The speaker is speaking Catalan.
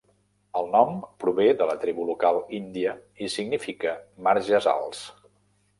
El nom prové de la tribu local índia i significa marges alts.